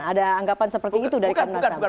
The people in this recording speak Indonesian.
ada anggapan seperti itu dari kna